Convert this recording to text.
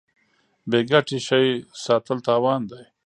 بې ګټې شی ساتل تاوان دی.